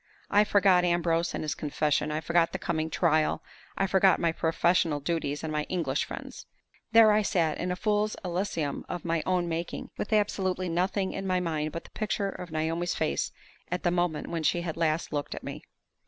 I forgot Ambrose and his confession; I forgot the coming trial; I forgot my professional duties and my English friends. There I sat, in a fool's elysium of my own making, with absolutely nothing in my mind but the picture of Naomi's face at the moment when she had last looked at me!